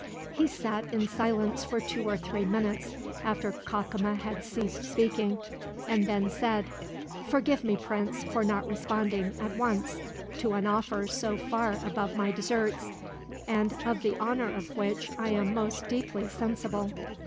He sat in silence for two or three minutes after Cacama had ceased speaking, and then said: "Forgive me, Prince, for not responding, at once, to an offer so far above my deserts, and of the honor of which I am most deeply sensible.